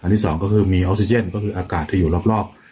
ที่สองก็คือมีออกซิเจนก็คืออากาศที่อยู่รอบ